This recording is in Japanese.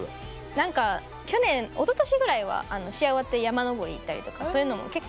何か去年一昨年ぐらいは試合終わって山登り行ったりとかそういうのも結構。